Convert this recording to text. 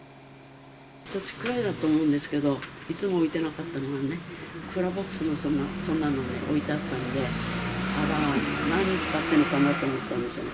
ひとつきくらいだと思うんですけど、いつも置いてなかったのがね、クーラーボックスの、そんなのね、置いてあったので、何に使ってるのかなと思ったんですよね。